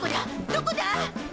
どこだ？